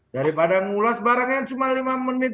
daripada ngulas barangnya cuma lima menit